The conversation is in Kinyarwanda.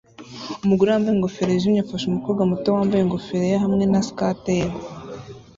Umugore wambaye ingofero yijimye afasha umukobwa muto wambaye ingofero yera hamwe na skate ye